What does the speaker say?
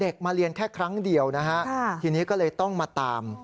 มาเรียนแค่ครั้งเดียวนะฮะทีนี้ก็เลยต้องมาตาม